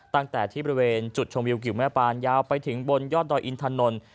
ตั้งแต่ที่บริเวณจุดชมวิวกิวแม่ปานยาวไปถึงบนยอดดอยอินถนน